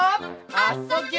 「あ・そ・ぎゅ」